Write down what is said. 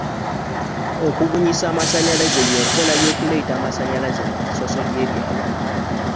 Okubunyisa amasannyalaze y'enkola y'okuleeta amasannyalaze mu misoso gy'ebyalo.